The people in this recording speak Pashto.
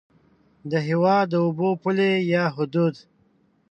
د هېواد د اوبو پولې یا حدود